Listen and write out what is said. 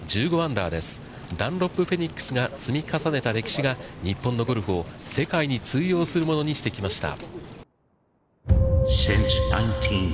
ダンロップフェニックスが積み重ねた歴史が、日本のゴルフを世界に通用するものにしてきました。